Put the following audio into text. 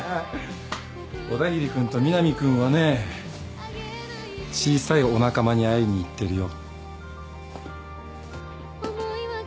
小田切君と南君はね小さいお仲間に会いに行ってるよ。